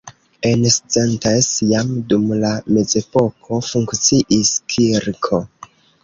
En Szentes jam dum la mezepoko funkciis kirko.